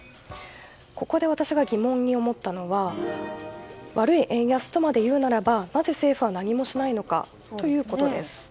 ここで私が疑問に思ったのは悪い円安とまでいうならばなぜ政府は何もしないのかということです。